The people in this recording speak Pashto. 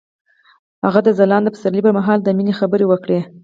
هغه د ځلانده پسرلی پر مهال د مینې خبرې وکړې.